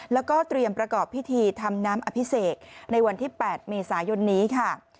แล้วก็เตรียมประกอบพิธีทำน้ำอภิเษกในวันที่๘เมษายนนี้ค่ะ